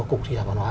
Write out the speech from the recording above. cục thể thao văn hóa